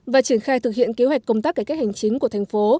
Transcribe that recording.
và triển khai thực hiện kế hoạch công tác cải cách hành chính của thành phố